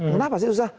kenapa sih susah